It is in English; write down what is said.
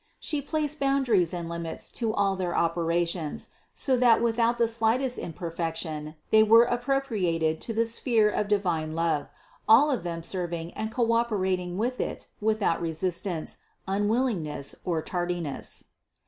She placed boundaries and limits to all their operations, so that without the slightest imperfection they were appropriated to the sphere of divine love, all of them serving and co operating with it without resistance, unwillingness or tardiness.